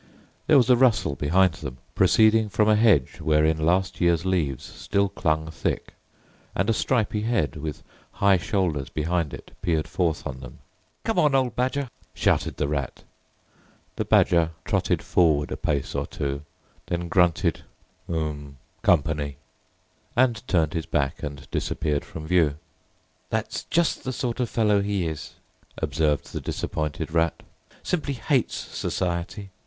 There was a rustle behind them, proceeding from a hedge wherein last year's leaves still clung thick, and a stripy head, with high shoulders behind it, peered forth on them. "Come on, old Badger!" shouted the Rat. The Badger trotted forward a pace or two; then grunted, "H'm! Company," and turned his back and disappeared from view. "That's just the sort of fellow he is!" observed the disappointed Rat. "Simply hates Society!